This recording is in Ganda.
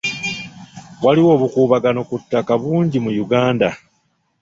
Waliwo obukuubagano ku ttaka bungi mu Uganda.